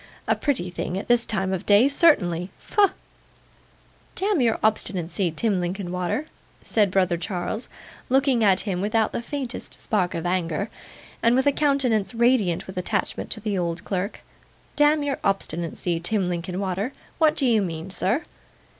A pretty thing at this time of day, certainly. Pho!' 'Damn your obstinacy, Tim Linkinwater,' said brother Charles, looking at him without the faintest spark of anger, and with a countenance radiant with attachment to the old clerk. 'Damn your obstinacy, Tim Linkinwater, what do you mean, sir?